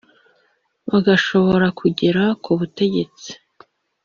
bagashobora kugera ku butegetsi